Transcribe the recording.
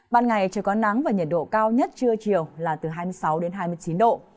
ban ngày trời có nắng và nhiệt độ cao nhất trưa chiều là từ hai mươi sáu đến hai mươi chín độ